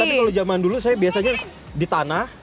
tapi kalau zaman dulu saya biasanya di tanah